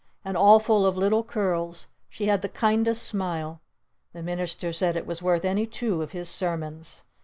And all full of little curls! She had the kindest smile! The minister said it was worth any two of his sermons!